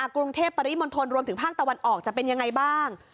กรุงเทพปริมณฑลรวมถึงภาคตะวันออกจะเป็นยังไงบ้าง